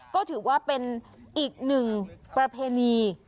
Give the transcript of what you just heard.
ก็ถือว่าเป็นอีกหนึ่งประเพณี